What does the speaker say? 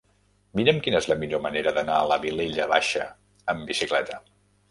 Mira'm quina és la millor manera d'anar a la Vilella Baixa amb bicicleta.